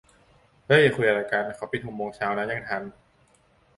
เฮ้ย คุยอะไรกัน ! เขาปิดหกโมงเช้านะ ยังทัน